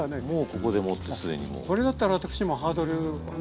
これだったら私もハードルはね